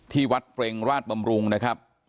ที่วัดเปรงราชบำรุงนะครับ